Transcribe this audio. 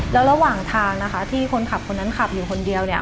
แล้วระหว่างทางนะคะที่คนขับคนนั้นขับอยู่คนเดียวเนี่ย